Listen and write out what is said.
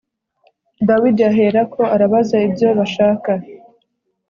Dawidi aherako arabaza ibyo bashaka